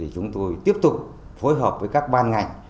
chúng tôi tiếp tục phối hợp với các ban ngành